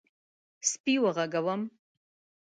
_سپی وغږوم؟